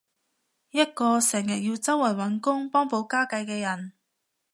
一個成日要周圍搵工幫補家計嘅人